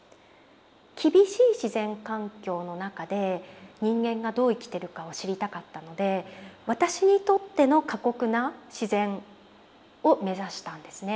厳しい自然環境の中で人間がどう生きてるかを知りたかったので私にとっての過酷な自然を目指したんですね。